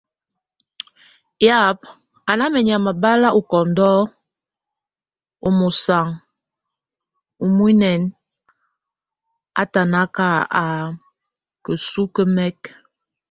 Yab, a ná menyama bal ókondon o mosaŋ ó muɛŋɛŋ, a twánakak, a kesukúnek.